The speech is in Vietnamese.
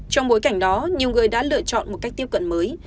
trong bối cảnh đó nhiều người đã lựa chọn một cách tiếp cận mới